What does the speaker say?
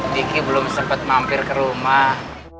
diki belum sempat mampir ke rumah